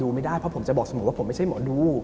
ไม่ได้เพราะผมจะบอกเสมอว่าผมไม่ใช่หมอดู